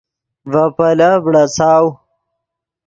ڤے پیلف بڑاڅاؤ